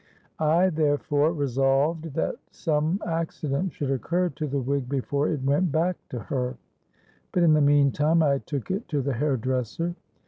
I therefore resolved that some accident should occur to the wig before it went back to her; but in the meantime I took it to the hair dresser.